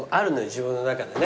自分の中でね。